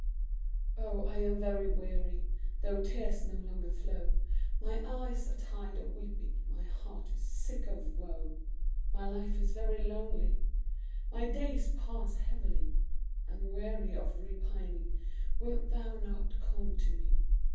Oh, I am very weary, Though tears no longer flow; My eyes are tired of weeping, My heart is sick of woe; My life is very lonely My days pass heavily, I'm weary of repining; Wilt thou not come to me?